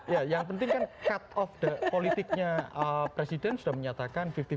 ya yang penting kan cut off politiknya presiden sudah menyatakan lima puluh lima puluh